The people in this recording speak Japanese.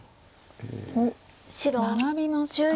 おっナラびました。